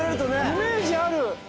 イメージある！